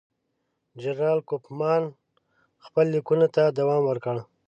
جنرال کوفمان خپلو لیکونو ته دوام ورکړ.